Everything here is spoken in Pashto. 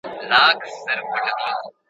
د خوړو مسمومیت په پرمختللو هېوادونو کې هم شته.